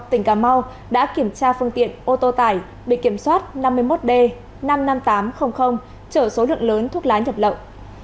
tỉnh cà mau đã kiểm tra phương tiện ô tô tải bị kiểm soát năm mươi một d năm mươi năm nghìn tám trăm linh trở số lượng lớn thuốc lá nhập lậu